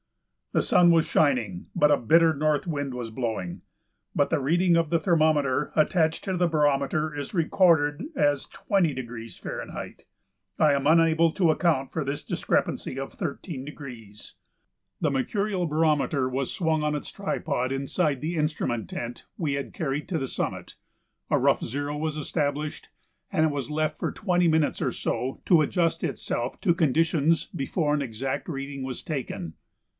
The sun was shining, but a bitter north wind was blowing. But the reading of the thermometer attached to the barometer is recorded as 20° F. I am unable to account for this discrepancy of 13°. The mercurial barometer was swung on its tripod inside the instrument tent we had carried to the summit, a rough zero was established, and it was left for twenty minutes or so to adjust itself to conditions before an exact reading was taken.